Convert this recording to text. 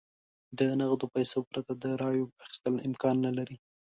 د نغدو پیسو پرته د رایو اخیستل امکان نه لري.